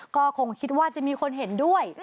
ก็คงคิดว่าจะมีคนเห็นด้วย